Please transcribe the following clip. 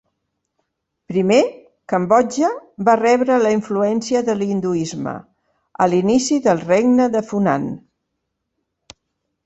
Primer, Cambodja va rebre la influència de l'hinduisme a l'inici del Regne de Funan.